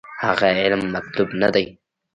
هغه علم مطلوب نه دی.